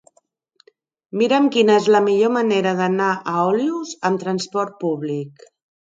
Mira'm quina és la millor manera d'anar a Olius amb trasport públic.